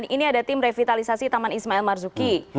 ini ada tim revitalisasi taman ismail marzuki